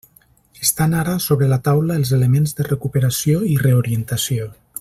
Estan ara sobre la taula els elements de recuperació i reorientació.